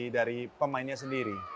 dari pemainnya sendiri